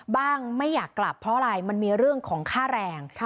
ไม่อยากกลับเพราะอะไรมันมีเรื่องของค่าแรง